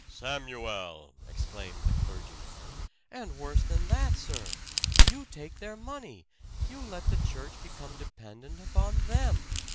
"Samuel!" exclaimed the clergyman. "And worse than that, sir! You take their money you let the church become dependent upon them!